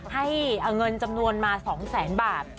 ให้เงินจำนวนมา๒แสนบาท